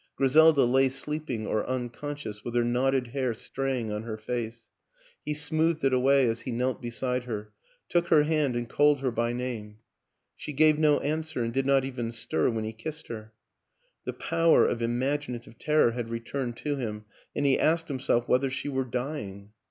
Griselda lay sleeping or unconscious, with her knotted hair straying on her face; he smoothed it away as he knelt beside her, took her hand and called her by name. She gave no answer, and did not even stir when he kissed her. The power of imaginative terror had returned to him, and he asked himself whether she were dying? ...